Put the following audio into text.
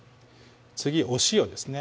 次お塩ですね